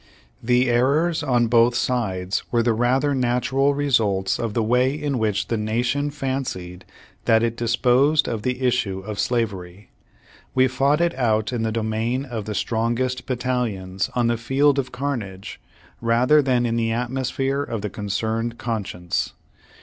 The errors on both sides were the rather natural results of the way in which the Nation fancied that it disposed of the issue of slavery. We fought it out in the domain of the strongest batailions on the field of carnage, rather than in the atmosphere of the concerned conscience.